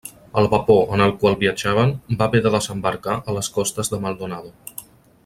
El vapor en el qual viatjaven va haver de desembarcar a les costes de Maldonado.